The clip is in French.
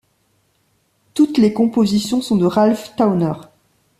Toutes les compositions sont de Ralph Towner.